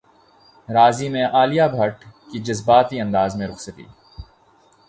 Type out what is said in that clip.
راضی میں عالیہ بھٹ کی جذباتی انداز میں رخصتی